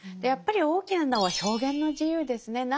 やっぱり大きなのは表現の自由ですね。